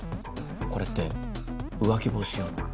これって浮気防止用の。